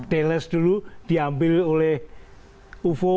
deles dulu diambil oleh ufo